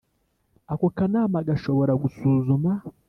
Ako Kanama gashobora gusuzuma